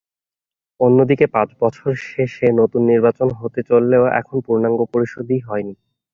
অন্যদিকে পাঁচ বছর শেষে নতুন নির্বাচন হতে চললেও এখনো পূর্ণাঙ্গ পরিষদই হয়নি।